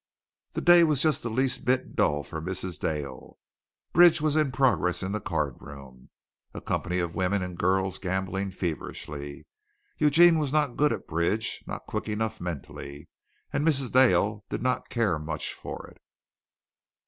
The day was just the least bit dull for Mrs. Dale. Bridge was in progress in the card room, a company of women and girls gambling feverishly. Eugene was not good at bridge, not quick enough mentally, and Mrs. Dale did not care much for it.